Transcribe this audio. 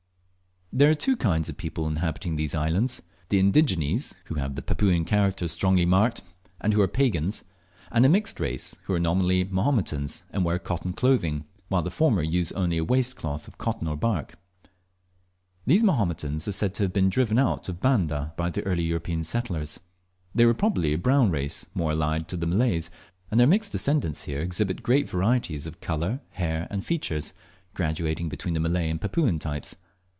There are two kinds of people inhabiting these islands the indigenes, who have the Papuan characters strongly marked, and who are pagans; and a mixed race, who are nominally Mahometans, and wear cotton clothing, while the former use only a waist cloth of cotton or bark. These Mahometans are said to have been driven out of Banda by the early European settlers. They were probably a brown race, more allied to the Malays, and their mixed descendants here exhibit great variations of colour, hair, and features, graduating between the Malay and Papuan types.